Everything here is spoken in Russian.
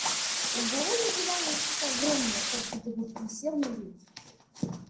углу на диване что-то огромное, как будто присел медведь.